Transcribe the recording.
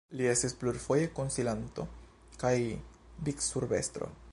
Li estis plurfoje konsilanto, kaj vicurbestro.